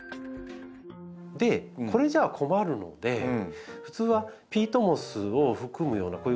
でこれじゃ困るので普通はピートモスを含むようなこういう軽い培養土はですね